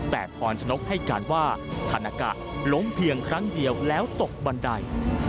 แต่พรชนกให้การว่าธนากะล้มเพียงครั้งเดียวแล้วตกบันได